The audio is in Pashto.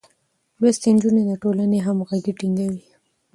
لوستې نجونې د ټولنې همغږي ټينګوي.